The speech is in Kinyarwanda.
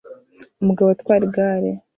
Umugabo atwara igare